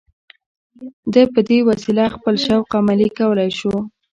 ده په دې وسیله خپل شوق عملي کولای شو